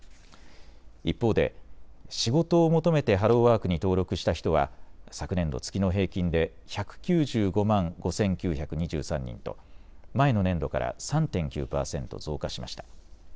一方で仕事を求めてハローワークに登録した人は昨年度、月の平均で１９５万５９２３人と前の年度から３．９％増加しました。